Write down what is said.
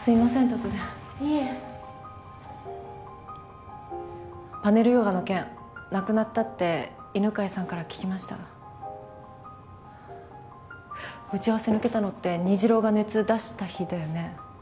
突然いえパネルヨガの件なくなったって犬飼さんから聞きました打ち合わせ抜けたのって虹朗が熱出した日だよね？